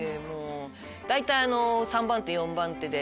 大体３番手４番手で。